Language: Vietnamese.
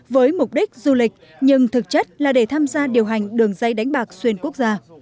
với mục đích du lịch nhưng thực chất là để tham gia điều hành đường dây đánh bạc xuyên quốc gia